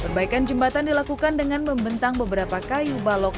perbaikan jembatan dilakukan dengan membentang beberapa kayu balok